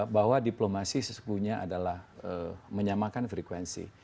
bahwa diplomasi sesungguhnya adalah menyamakan frekuensi